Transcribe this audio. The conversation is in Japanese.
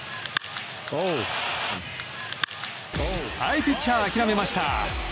はい、ピッチャー諦めました！